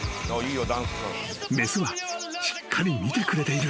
［雌はしっかり見てくれている］